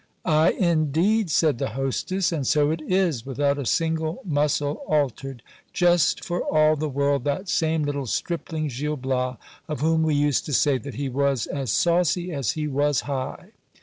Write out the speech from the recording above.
Ay, indeed ! said the hostess ; and so it is : without a single muscle altered ! just for all the world that same little stripling Gil Bias, of whom we used to say that he was as saucy as he was high.